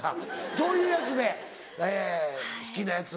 そういうやつでえぇ好きなやつうん。